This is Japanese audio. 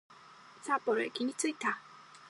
札幌駅に着いた